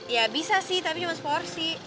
ya bisa sih tapi cuma seporsi